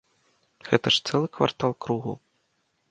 Гэта ж цэлы квартал кругу.